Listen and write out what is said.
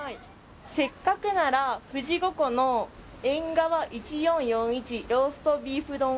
「せっかくなら富士五湖の」「ＥＮＧＡＷＡ１４４１ローストビーフ丼」